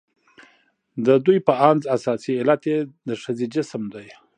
د ددوى په اند اساسي علت يې د ښځې جسم دى.